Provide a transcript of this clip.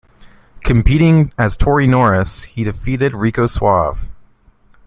Competing as Tony Norris he defeated Rico Suave.